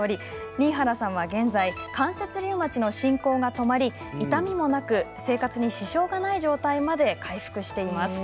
新原さんは現在関節リウマチの進行が止まり痛みもなく、生活に支障がない状態まで回復しています。